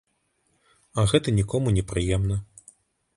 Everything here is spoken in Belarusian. А гэта нікому не прыемна.